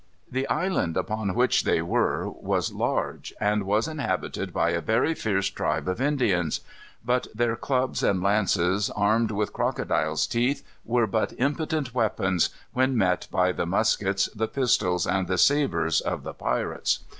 The island upon which they were was large, and was inhabited by a very fierce tribe of Indians. But their clubs and lances armed with crocodiles' teeth were but impotent weapons, when met by the muskets, the pistols, and the sabres of the pirates.